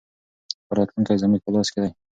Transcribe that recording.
خو راتلونکی زموږ په لاس کې دی.